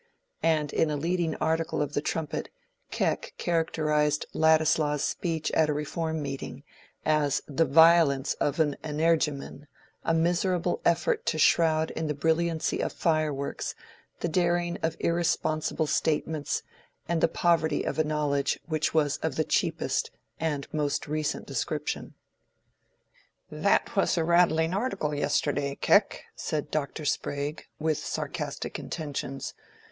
And in a leading article of the "Trumpet," Keck characterized Ladislaw's speech at a Reform meeting as "the violence of an energumen—a miserable effort to shroud in the brilliancy of fireworks the daring of irresponsible statements and the poverty of a knowledge which was of the cheapest and most recent description." "That was a rattling article yesterday, Keck," said Dr. Sprague, with sarcastic intentions.